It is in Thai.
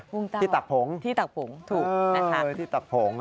พุ่งเต้าที่ตักผงถูกนะครับที่ตักผงโอ้โฮที่ตักผง